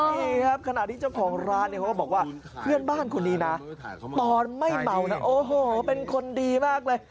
นี่ครับขณะที่เจ้าของร้านเนี่ยเขาก็บอกว่าเพื่อนบ้านคนนี้นะตอนไม่เหมานะโอ้โหเป็นคนดีมากเลย